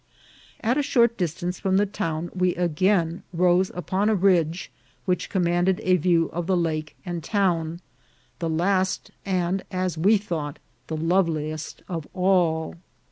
At a short distance from the town we again rose upon a ridge which commanded a view of the lake and town ; the last, and, as we thought, the loveliest of all.